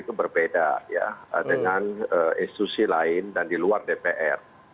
itu berbeda ya dengan institusi lain dan di luar dpr